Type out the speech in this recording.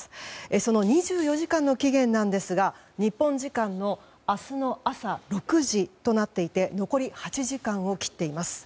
その２４時間の期限ですが日本時間の明日の朝６時となっていて残り８時間を切っています。